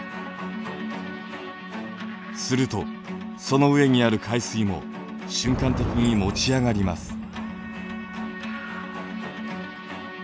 するとその上にある海水も瞬間的に持ち上がります。